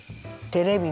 テレビ。